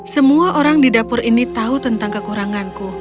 semua orang di dapur ini tahu tentang kekuranganku